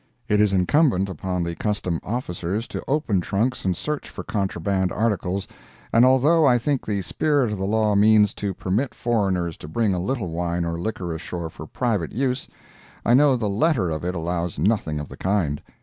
It is incumbent upon the custom officers to open trunks and search for contraband articles, and although I think the spirit of the law means to permit foreigners to bring a little wine or liquor ashore for private use, I know the letter of it allows nothing of the kind.